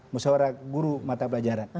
misalnya orang guru mata pelajaran